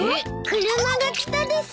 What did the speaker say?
車が来たです。